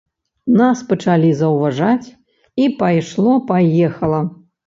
Нас пачалі заўважаць і пайшло-паехала.